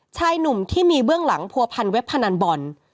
ชายหนุ่มที่มีเบื้องหลังผัวพันเว็บพนันบอล